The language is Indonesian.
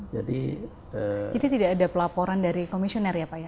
jadi tidak ada pelaporan dari komisioner ya pak ya